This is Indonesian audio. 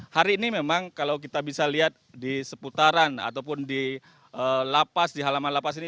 hari ini memang kalau kita bisa lihat di seputaran ataupun di lapas di halaman lapas ini